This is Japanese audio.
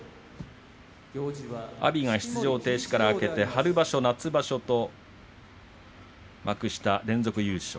阿炎が出場停止から明けて春場所、夏場所と幕下連続優勝。